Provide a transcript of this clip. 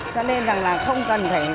cho nên là không cần phải